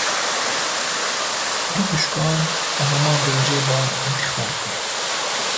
Du xwişkan, di heman rojê de întixar kir